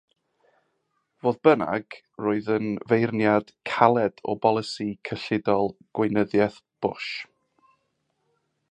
Fodd bynnag, roedd yn feirniad caled o bolisi cyllidol Gweinyddiaeth Bush.